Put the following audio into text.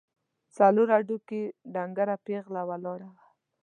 څلور هډوکي، ډنګره پېغله ولاړه وه.